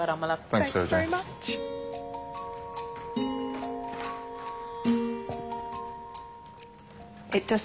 ありがとうございます。